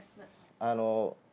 あの。